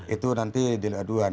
itu nanti delik aduan